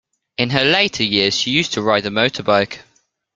In her later years she used to ride a motorbike